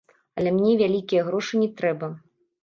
Але мне вялікія грошы не трэба.